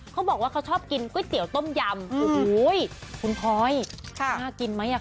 เขาบอกว่าเขาชอบกินก๋วยเตี๋ยวต้มยำโอ้โหคุณพลอยน่ากินไหมอ่ะ